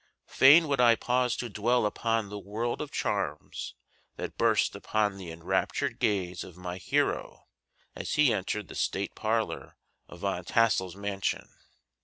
Fain would I pause to dwell upon the world of charms that burst upon the enraptured gaze of my hero as he entered the state parlor of Van Tassel's mansion.